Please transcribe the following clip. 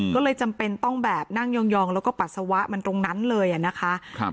ก็เลยจำเป็นต้องแบบนั่งยองแล้วก็ปัสสาวะมันตรงนั้นเลยอ่ะนะคะ